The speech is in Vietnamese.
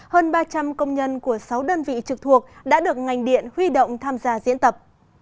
hơn ba trăm linh công nhân của sáu đơn vị trực thuộc đã được ngành điện huy động tham gia diễn tập